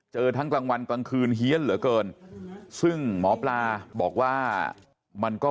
ทั้งกลางวันกลางคืนเฮียนเหลือเกินซึ่งหมอปลาบอกว่ามันก็